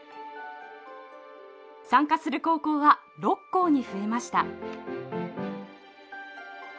参加する高校は６校に増えました。